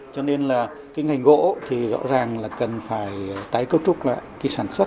cho nên là ngành gỗ rõ ràng là cần phải tái cấu trúc lại sản xuất